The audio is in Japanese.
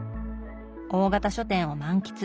大型書店を満喫